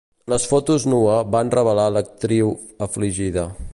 Les fotos nua van revelar l'actriu afligida.